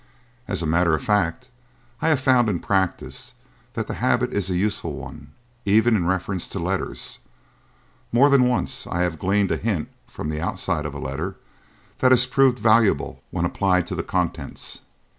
As a matter of fact, I have found in practice, that the habit is a useful one even in reference to letters; more than once I have gleaned a hint from the outside of a letter that has proved valuable when applied to the contents.